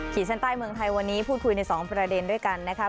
เส้นใต้เมืองไทยวันนี้พูดคุยใน๒ประเด็นด้วยกันนะครับ